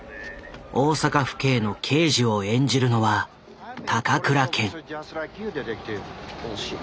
大阪府警の刑事を演じるのは高倉健。